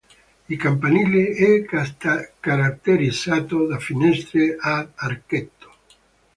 Il campanile è caratterizzato da finestre ad archetto.